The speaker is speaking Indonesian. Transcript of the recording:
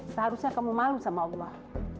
seharusnya kamu malu sama allah